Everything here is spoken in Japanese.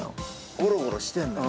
ゴロゴロしてんのよ